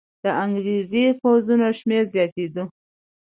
د انګریزي پوځونو شمېر زیاتېده.